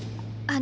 あ？